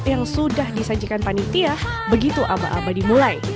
yang sudah disajikan panitia begitu abah abah dimulai